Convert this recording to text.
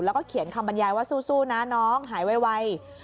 แล้วก็เขียนคำบรรยายว่าสู้นะน้องหายไว